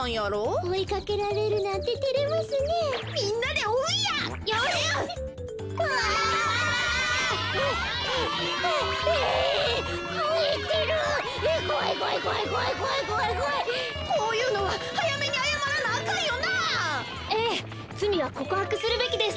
つみはこくはくするべきです。